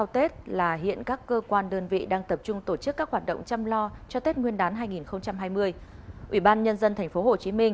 trần thánh tông hà nội